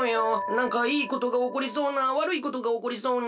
なんかいいことがおこりそうなわるいことがおこりそうな。